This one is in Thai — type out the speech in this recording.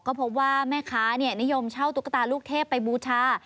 ก็พบว่าแม่ค้านิยมเช่าตุ๊กตาลูกเทพไปบูชา